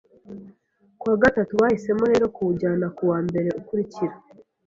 Ku wa gatanu, bahisemo rero kuwujyana ku wa mbere ukurikira